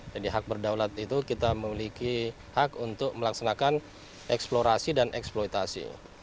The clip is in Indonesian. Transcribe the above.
jadi hak berdaulat itu kita memiliki hak untuk melaksanakan eksplorasi dan eksploitasi